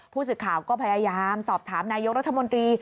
ผู้สื่อข่าวก็พยายามสอบถามนายกรัฐมนตรี